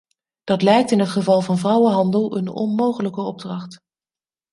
Dat lijkt in het geval van vrouwenhandel een onmogelijke opdracht.